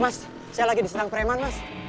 mas saya lagi diserang preman mas